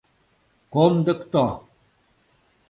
Кондыкто!